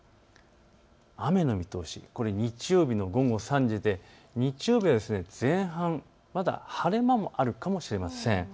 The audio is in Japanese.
雨の見通し、これは日曜日の午後３時で日曜日は前半まだ晴れ間もあるかもしれません。